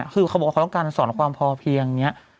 คือเขาบอกว่าเขาต้องการสอนความพอเพียงอย่างนี้